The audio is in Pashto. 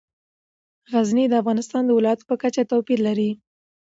غزني د افغانستان د ولایاتو په کچه توپیر لري.